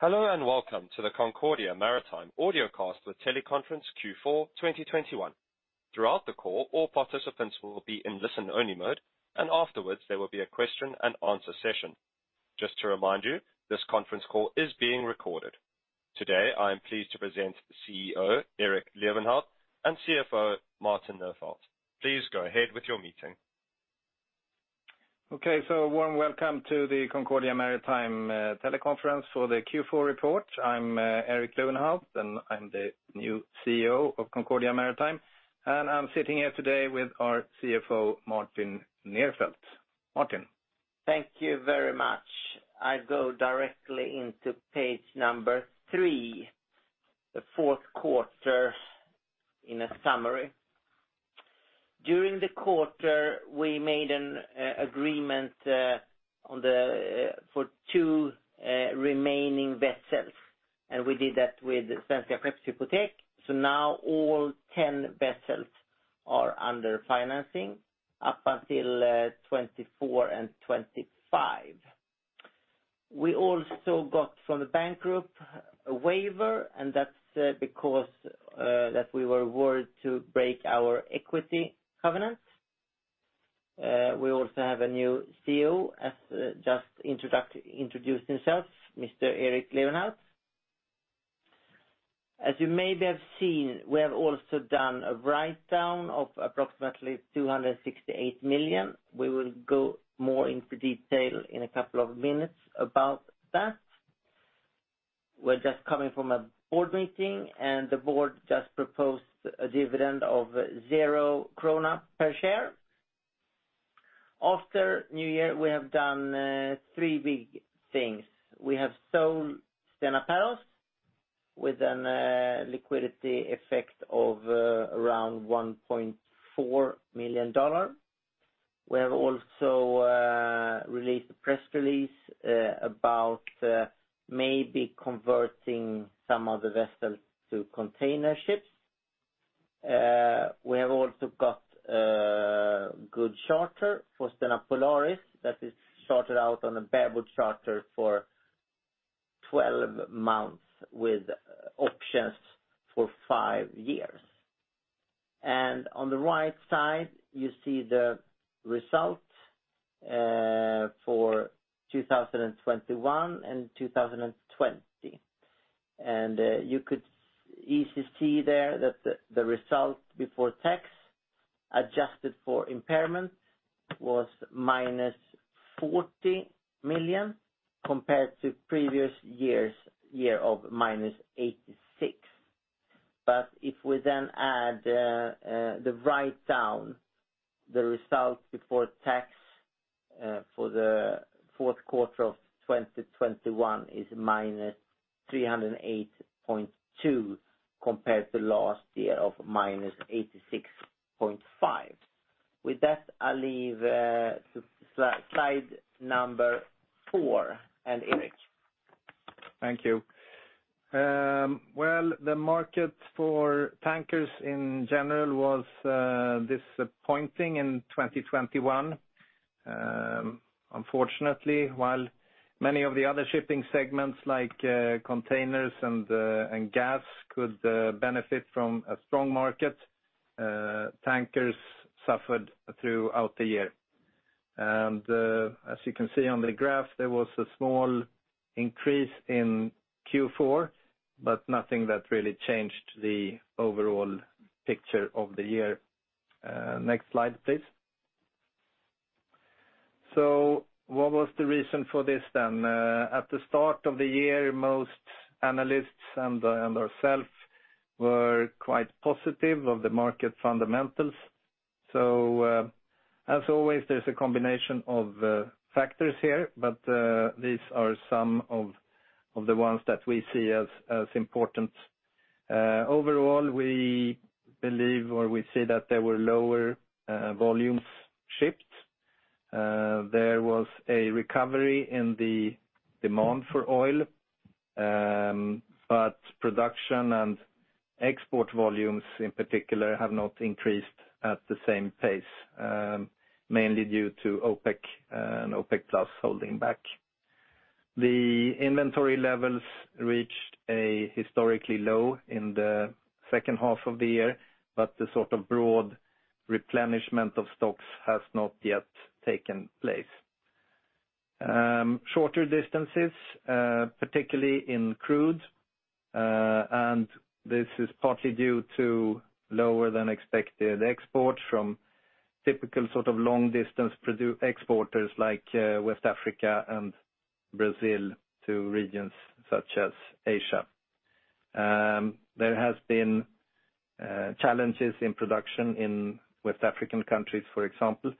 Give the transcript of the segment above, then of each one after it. Hello, and welcome to the Concordia Maritime audiocast with teleconference Q4 2021. Throughout the call, all participants will be in listen-only mode, and afterwards, there will be a question-and-answer session. Just to remind you, this conference call is being recorded. Today, I am pleased to present the CEO, Erik Lewenhaupt, and CFO, Martin Nerfeldt. Please go ahead with your meeting. Okay. A warm welcome to the Concordia Maritime teleconference for the Q4 report. I'm Erik Lewenhaupt, and I'm the new CEO of Concordia Maritime, and I'm sitting here today with our CFO, Martin Nerfeldt. Martin. Thank you very much. I go directly into page number three, the fourth quarter in a summary. During the quarter, we made an agreement for two remaining vessels, and we did that with Svenska Skeppshypotek. Now all 10 vessels are under financing up until 2024 and 2025. We also got from the bank group a waiver, and that's because that we were worried to break our equity covenant. We also have a new CEO who has just introduced himself, Mr. Erik Lewenhaupt. As you maybe have seen, we have also done a write-down of approximately 268 million. We will go more into detail in a couple of minutes about that. We're just coming from a board meeting, and the board just proposed a dividend of 0 krona per share. After New Year, we have done three big things. We have sold Stena Perros with a liquidity effect of around $1.4 million. We have also released a press release about maybe converting some of the vessels to container ships. We have also got a good charter for Stena Polaris that is chartered out on a bareboat charter for 12 months with options for five years. On the right side, you see the results for 2021 and 2020. You could easily see there that the result before tax, adjusted for impairment, was -40 million compared to previous year's year of -86 million. If we then add the write-down, the result before tax for the fourth quarter of 2021 is -308.2 million compared to last year of -86.5 million. With that, I leave to slide number four. Erik. Thank you. Well, the market for tankers in general was disappointing in 2021. Unfortunately, while many of the other shipping segments like containers and gas could benefit from a strong market, tankers suffered throughout the year. As you can see on the graph, there was a small increase in Q4, but nothing that really changed the overall picture of the year. Next slide, please. What was the reason for this then? At the start of the year, most analysts and ourselves were quite positive of the market fundamentals. As always, there's a combination of factors here, but these are some of the ones that we see as important. Overall, we believe or we see that there were lower volumes shipped. There was a recovery in the demand for oil. Production and export volumes in particular have not increased at the same pace, mainly due to OPEC and OPEC+ holding back. The inventory levels reached a historically low in the second half of the year. The sort of broad replenishment of stocks has not yet taken place. Shorter distances, particularly in crude, and this is partly due to lower than expected exports from typical sort of long-distance exporters like West Africa and Brazil to regions such as Asia. There has been challenges in production in West African countries, for example,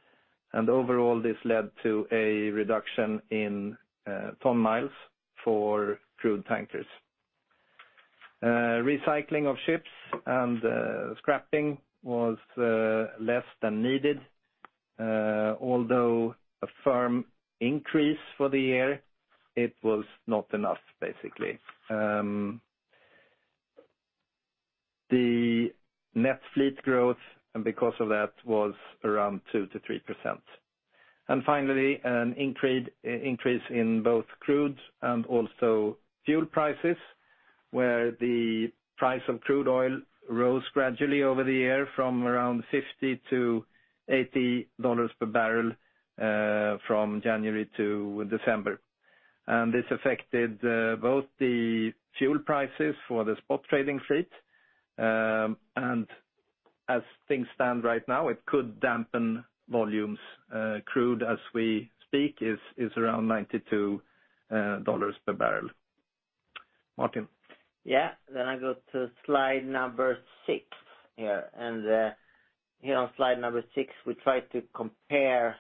and overall, this led to a reduction in ton miles for crude tankers. Recycling of ships and scrapping was less than needed. Although a firm increase for the year, it was not enough, basically. The net fleet growth and because of that was around 2%-3%. Finally, an increase in both crude and also fuel prices, where the price of crude oil rose gradually over the year from around $50-$80 per barrel, from January to December. This affected both the fuel prices for the spot trading fleet. As things stand right now, it could dampen volumes. Crude as we speak is around $92 per barrel. Martin. Yeah. I go to slide six here. Here on slide six, we try to compare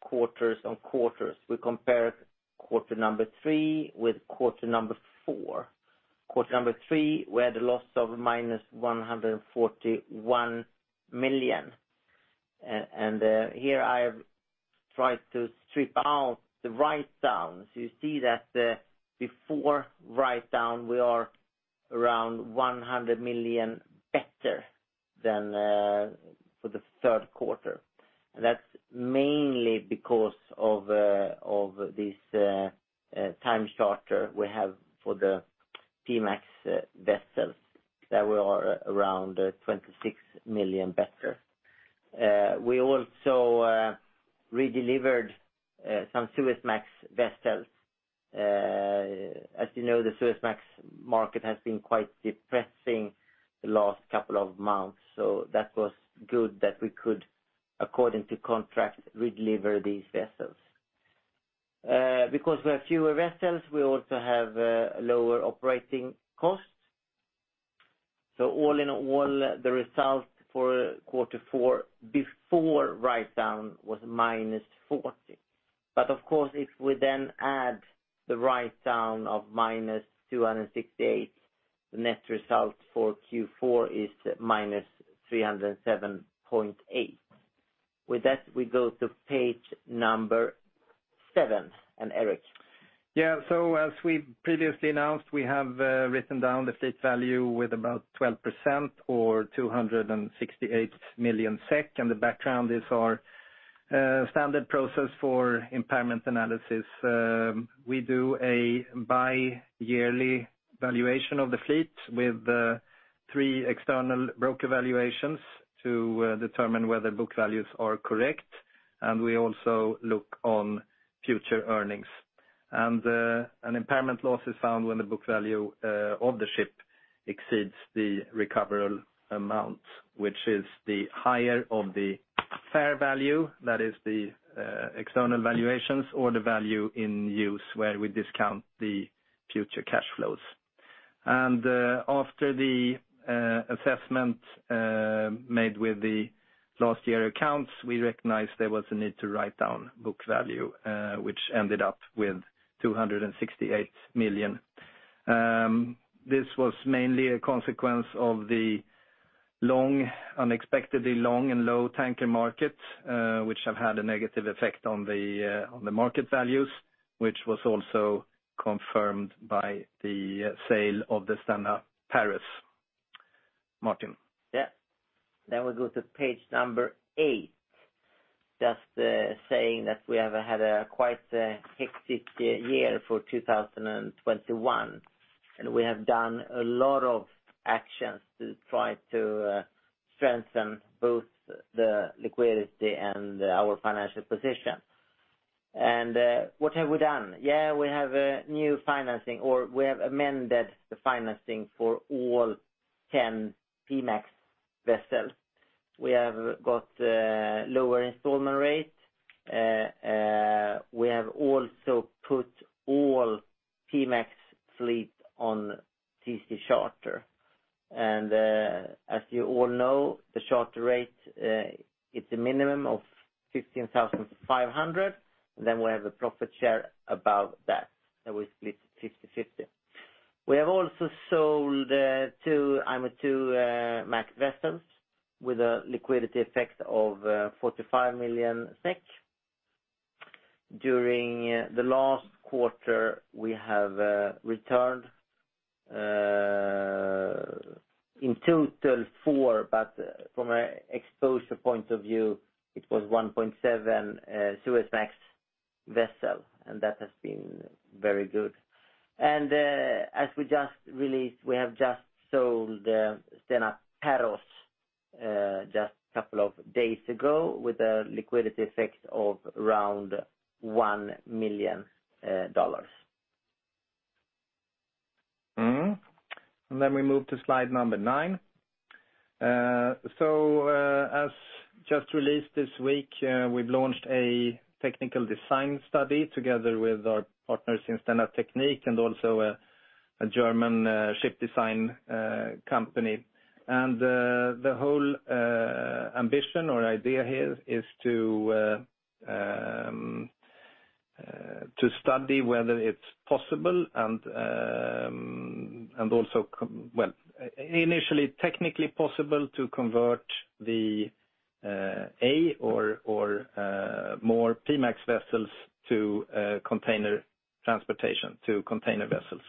quarters on quarters. We compare quarter three with quarter four. Quarter three, we had a loss of -141 million. Here I have tried to strip out the write-downs. You see that, before write-down, we are around 100 million better than for the third quarter. That's mainly because of this time charter we have for the IMOIIMAX vessels that we are around 26 million better. We also redelivered some Suezmax vessels. As you know, the Suezmax market has been quite depressing the last couple of months. That was good that we could, according to contract, redeliver these vessels. Because we have fewer vessels, we also have lower operating costs. All in all, the result for quarter four before write-down was -40 million. Of course, if we then add the write-down of -268 million, the net result for Q4 is -307.8 million. With that, we go to page seven. Erik. Yeah. As we previously announced, we have written down the fleet value with about 12% or 268 million SEK. The background is our standard process for impairment analysis. We do a bi-yearly valuation of the fleet with three external broker valuations to determine whether book values are correct, and we also look on future earnings. An impairment loss is found when the book value of the ship exceeds the recoverable amount, which is the higher of the fair value, that is the external valuations or the value in use, where we discount the future cash flows. After the assessment made with the last year accounts, we recognized there was a need to write down book value, which ended up with 268 million. This was mainly a consequence of the unexpectedly long and low tanker market, which have had a negative effect on the market values, which was also confirmed by the sale of the Stena Perros. Martin. Yeah. We go to page eight. Just saying that we have had quite a hectic year for 2021, and we have done a lot of actions to try to strengthen both the liquidity and our financial position. What have we done? Yeah, we have a new financing, or we have amended the financing for all 10 P-MAX vessels. We have got lower installment rate. We have also put all P-MAX fleet on TC charter. As you all know, the charter rate is a minimum of 15,500, and then we have a profit share above that, and we split 50/50. We have also sold two IMOIIMAX vessels with a liquidity effect of 45 million SEK. During the last quarter, we have returned in total four, but from an exposure point of view, it was 1.7 Suezmax vessel, and that has been very good. As we just released, we have just sold Stena Perros just a couple of days ago with a liquidity effect of around $1 million. We move to slide number nine. As just released this week, we've launched a technical design study together with our partners in Stena Teknik and also a German ship design company. The whole ambition or idea here is to study whether it's possible and also initially technically possible to convert one or more P-MAX vessels to container transportation, to container vessels.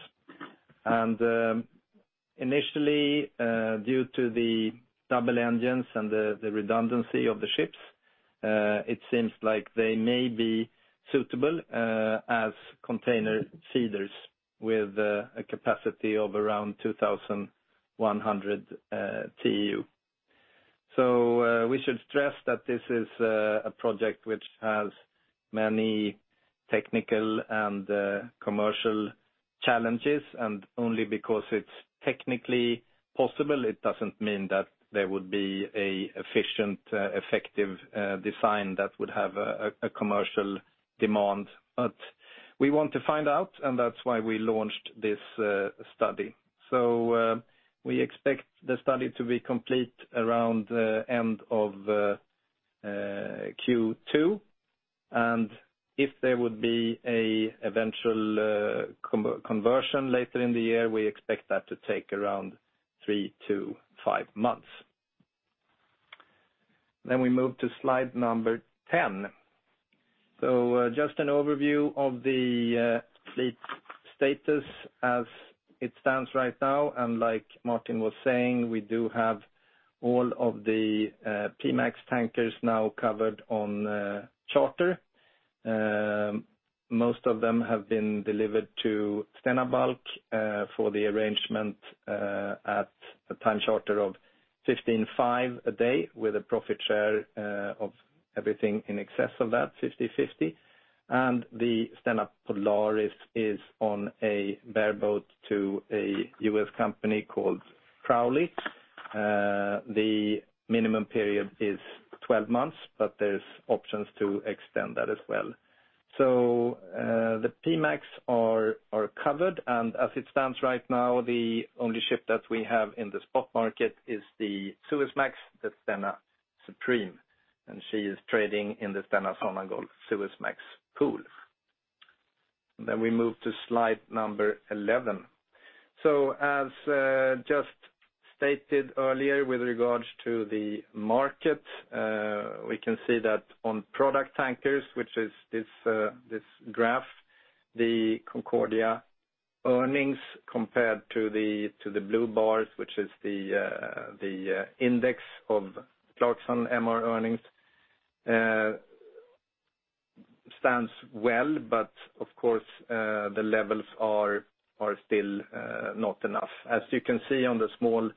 Initially, due to the double engines and the redundancy of the ships, it seems like they may be suitable as container feeders with a capacity of around 2,100 TEU. We should stress that this is a project which has many technical and commercial challenges, and only because it's technically possible, it doesn't mean that there would be an efficient, effective design that would have a commercial demand. We want to find out, and that's why we launched this study. We expect the study to be complete around the end of Q2. If there would be an eventual conversion later in the year, we expect that to take around three to five months. We move to slide number 10. Just an overview of the fleet status as it stands right now. Like Martin was saying, we do have all of the P-MAX tankers now covered on charter. Most of them have been delivered to Stena Bulk for the arrangement at a time charter of $15,500 a day with a profit share of everything in excess of that, 50/50. The Stena Polaris is on a bareboat to a U.S. company called Crowley. The minimum period is 12 months, but there's options to extend that as well. The P-MAX are covered. As it stands right now, the only ship that we have in the spot market is the Suezmax, the Stena Supreme, and she is trading in the Stena Sonangol Suezmax pool. We move to slide number 11. As just stated earlier with regards to the market, we can see that on product tankers, which is this graph, the Concordia earnings compared to the blue bars, which is the index of Clarksons MR earnings, stands well, but of course, the levels are still not enough. As you can see on the small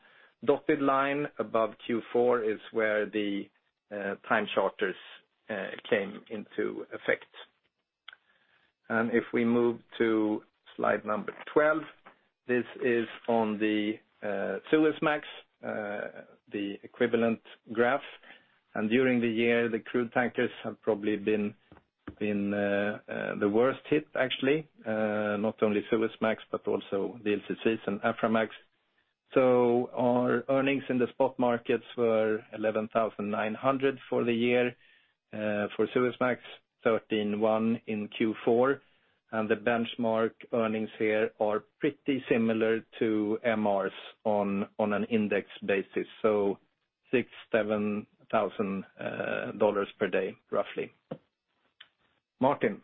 dotted line above Q4 is where the time charters came into effect. If we move to slide number 12, this is on the Suezmax, the equivalent graph. During the year, the crude tankers have probably been the worst hit, actually, not only Suezmax, but also the VLCC and Aframax. Our earnings in the spot markets were 11,900 for the year for Suezmax, 13,100 in Q4. The benchmark earnings here are pretty similar to MRs on an index basis. $6000-$7000 per day, roughly. Martin.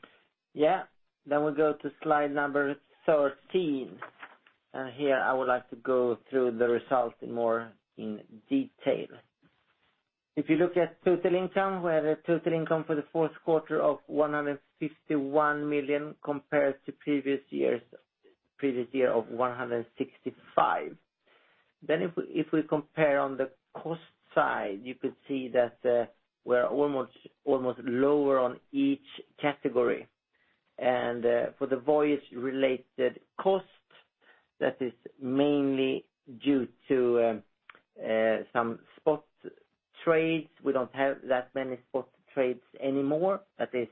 Yeah. We go to slide number 13. Here I would like to go through the results in more detail. If you look at total income, we have a total income for the fourth quarter of 151 million compared to previous year of 165 million. If we compare on the cost side, you could see that we're almost lower on each category. For the voyage related costs, that is mainly due to some spot trades. We don't have that many spot trades anymore. That is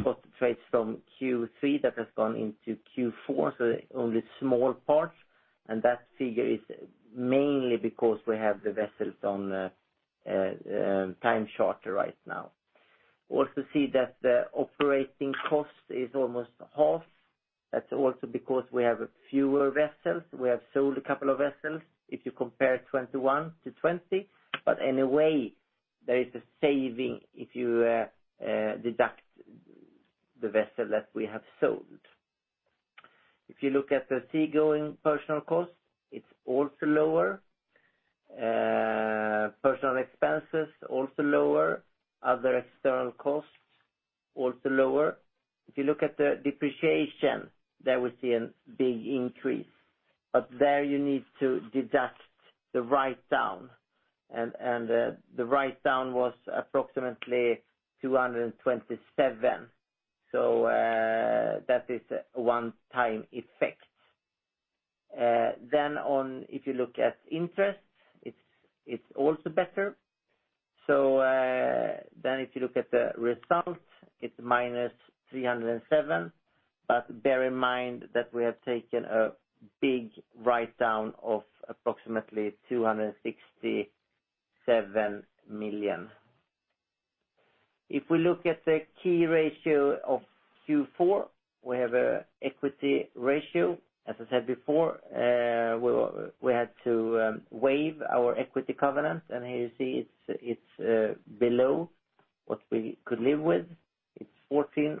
spot trades from Q3 that has gone into Q4, so only small parts. That figure is mainly because we have the vessels on the time charter right now. Also see that the operating cost is almost half. That's also because we have fewer vessels. We have sold a couple of vessels, if you compare 2021 to 2020. Anyway, there is a saving if you deduct the vessel that we have sold. If you look at the seagoing personnel cost, it's also lower. Personnel expenses, also lower. Other external costs, also lower. If you look at the depreciation, there we see a big increase. There you need to deduct the write-down. The write-down was approximately 227 million. That is a one-time effect. If you look at interest, it's also better. If you look at the results, it's -307 million. Bear in mind that we have taken a big write-down of approximately 267 million. If we look at the key ratio of Q4, we have an equity ratio. As I said before, we had to waive our equity covenant, and here you see it's below what we could live with. It's 14%,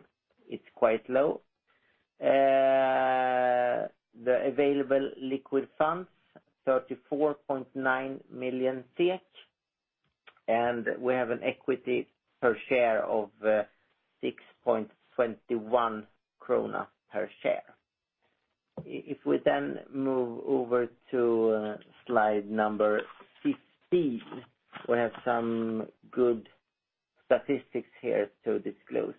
it's quite low. The available liquid funds 34.9 million, and we have an equity per share of 6.21 krona per share. If we then move over to slide number 15, we have some good statistics here to disclose.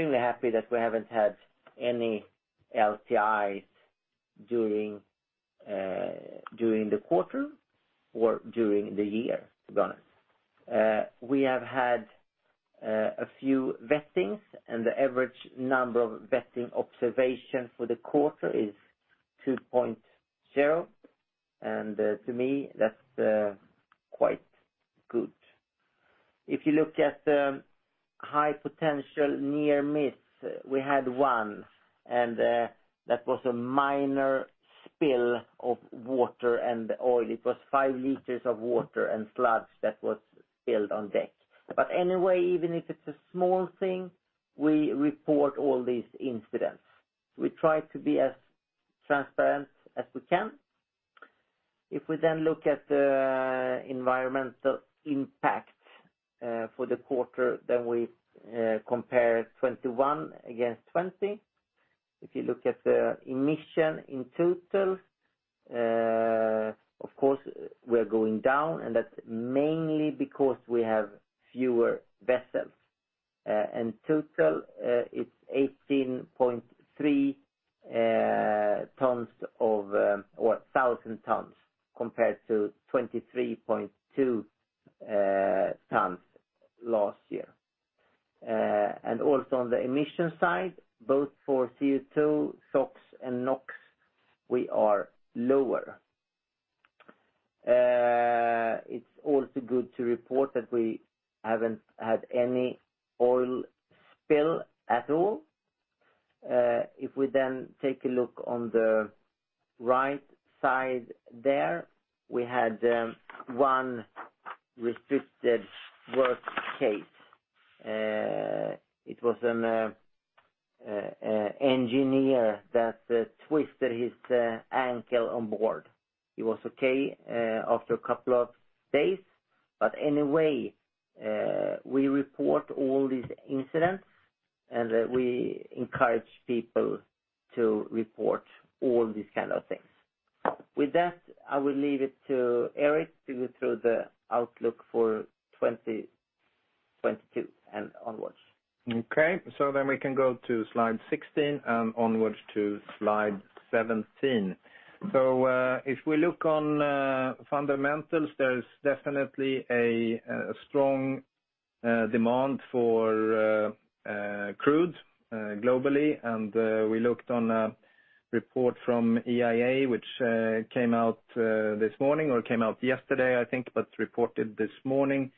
We're extremely happy that we haven't had any LTIs during the quarter or during the year, to be honest. We have had a few vestings, and the average number of vesting observations for the quarter is 2.0. To me, that's quite good. If you look at the high potential near miss, we had one, and that was a minor spill of water and oil. It was 5L of water and sludge that was spilled on deck. Anyway, even if it's a small thing, we report all these incidents. We try to be as transparent as we can. If we then look at the environmental impact for the quarter, then we compare 2021 against 2020. If you look at the emissions in total, of course, we're going down, and that's mainly because we have fewer vessels. In total, it's 18.3 thousand tons compared to 23.2 thousand tons last year. Also on the emissions side, both for CO2, SOx and NOx, we are lower. It's also good to report that we haven't had any oil spill at all. If we then take a look on the right side there, we had one restricted work case. It was an engineer that twisted his ankle on board. He was okay after a couple of days. Anyway, we report all these incidents, and we encourage people to report all these kind of things. With that, I will leave it to Erik to go through the outlook for 2022 and onwards. Okay. We can go to slide 16 and onwards to slide 17. If we look on fundamentals, there's definitely a strong demand for crude globally. We looked on a report from EIA, which came out this morning or came out yesterday, I think, but reported this morning.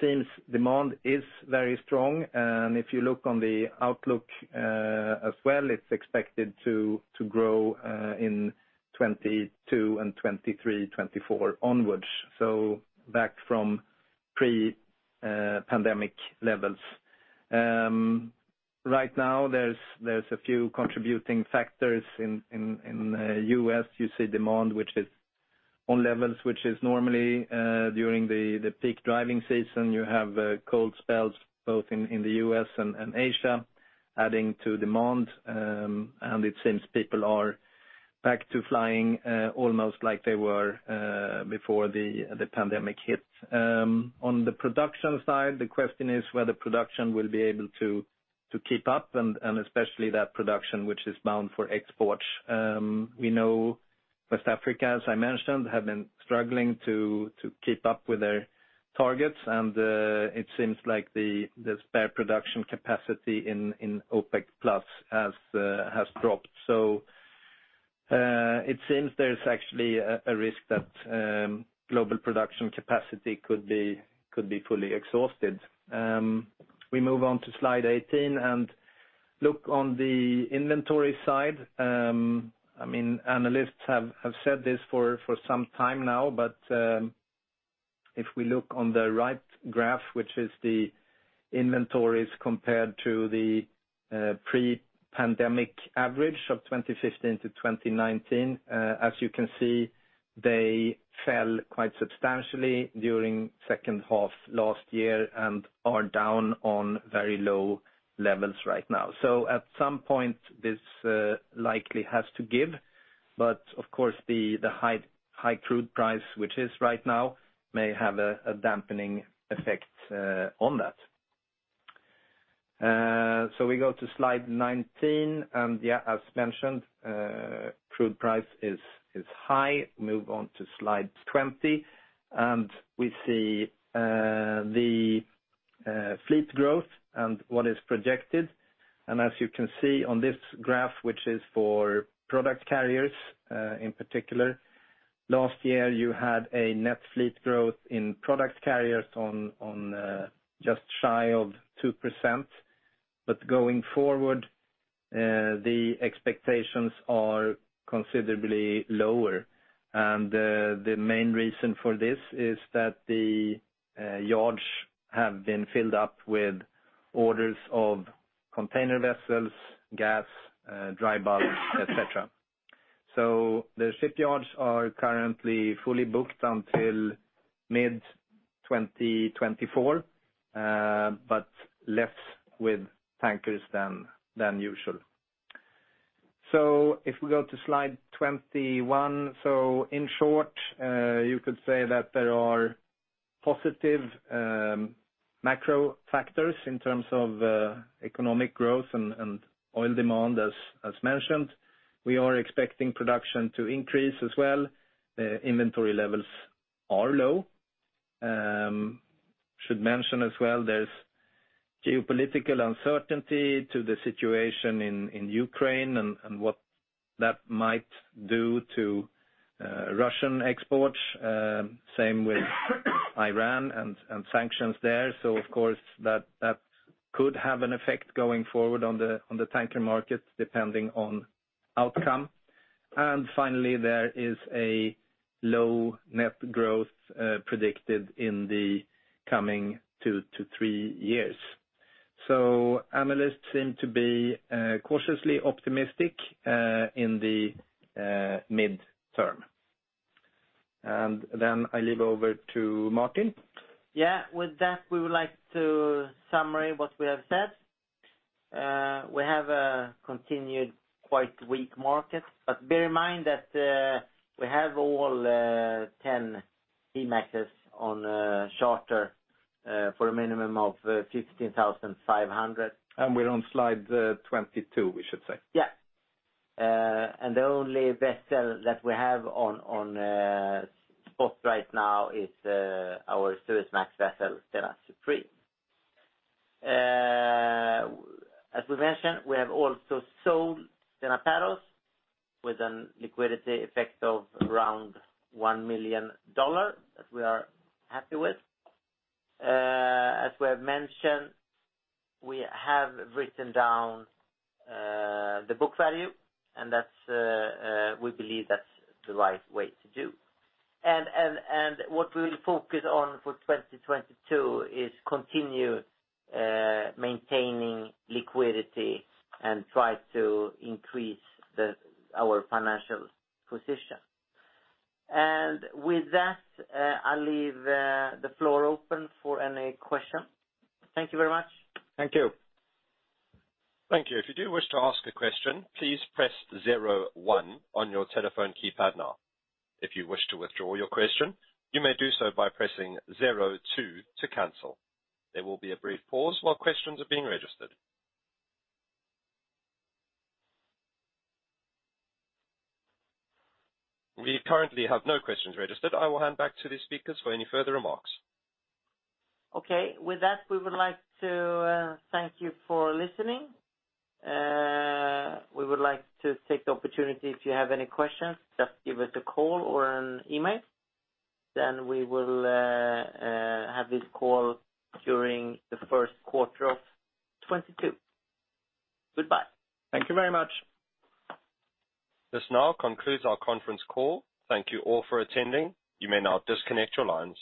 Since demand is very strong, and if you look on the outlook as well, it's expected to grow in 2022 and 2023, 2024 onwards. Back from pre-pandemic levels. Right now, there's a few contributing factors in the U.S. You see demand, which is on levels which is normally during the peak driving season, you have cold spells both in the U.S. and Asia adding to demand. It seems people are back to flying, almost like they were before the pandemic hit. On the production side, the question is whether production will be able to keep up, and especially that production which is bound for export. We know West Africa, as I mentioned, have been struggling to keep up with their targets, and it seems like the spare production capacity in OPEC+ has dropped. It seems there's actually a risk that global production capacity could be fully exhausted. We move on to slide 18 and look on the inventory side. I mean, analysts have said this for some time now, but if we look on the right graph, which is the inventories compared to the pre-pandemic average of 2015 to 2019, as you can see, they fell quite substantially during second half last year and are down on very low levels right now. So at some point, this likely has to give. But of course, the high crude price, which is right now, may have a dampening effect on that. So we go to slide 19. And yeah, as mentioned, crude price is high. Move on to slide 20. We see the fleet growth and what is projected. As you can see on this graph, which is for product carriers, in particular, last year, you had a net fleet growth in product carriers on just shy of 2%. Going forward, the expectations are considerably lower. The main reason for this is that the yards have been filled up with orders of container vessels, gas, dry bulk, et cetera. The shipyards are currently fully booked until mid-2024, but less with tankers than usual. If we go to slide 21. In short, you could say that there are positive macro factors in terms of economic growth and oil demand, as mentioned. We are expecting production to increase as well. The inventory levels are low. Should mention as well, there's geopolitical uncertainty to the situation in Ukraine and what that might do to Russian exports. Same with Iran and sanctions there. Of course, that could have an effect going forward on the tanker markets depending on outcome. Finally, there is a low net growth predicted in the coming two to three years. Analysts seem to be cautiously optimistic in the mid-term. Then I leave over to Martin. With that, we would like to summarize what we have said. We have a continued quite weak market. Bear in mind that we have all 10 P-MAXs on charter for a minimum of $15,500. We're on slide 22, we should say. Yeah. The only vessel that we have on spot right now is our Suezmax vessel, Stena Supreme. As we mentioned, we have also sold Stena Perros with a liquidity effect of around $1 million that we are happy with. As we have mentioned, we have written down the book value, and that's, we believe, the right way to do. What we will focus on for 2022 is to continue maintaining liquidity and try to increase our financial position. With that, I'll leave the floor open for any question. Thank you very much. Thank you. Thank you. If you do wish to ask a question, please press zero one on your telephone keypad now. If you wish to withdraw your question, you may do so by pressing zero two to cancel. There will be a brief pause while questions are being registered. We currently have no questions registered. I will hand back to the speakers for any further remarks. Okay. With that, we would like to thank you for listening. We would like to take the opportunity. If you have any questions, just give us a call or an email. We will have this call during the first quarter of 2022. Goodbye. Thank you very much. This now concludes our conference call. Thank you all for attending. You may now disconnect your lines.